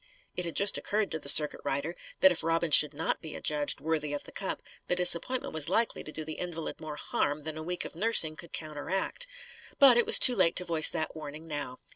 It had just occurred to the circuit rider that if Robin should not be adjudged worthy of the cup, the disappointment was likely to do the invalid more harm than a week of nursing could counteract. But it was too late to voice that warning now.